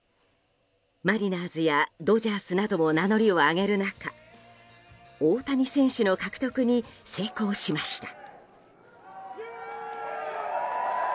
マリナーズやドジャースなども名乗りを上げる中大谷選手の獲得に成功しました。